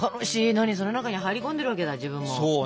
何それ中に入り込んでるわけだ自分も。